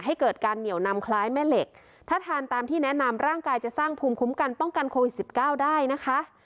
ให้เกิดการเหนียวนำคล้ายแม่เหล็กถ้าทานตามที่แนะนำร่างกายจะสร้างภูมิคุ้มกันป้องกันโควิดสิบเก้าได้นะคะ